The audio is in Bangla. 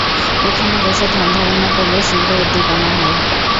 এখানে বসে ধ্যানধারণা করলে শীঘ্র উদ্দীপনা হয়।